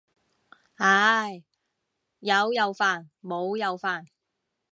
唉，有又煩冇又煩。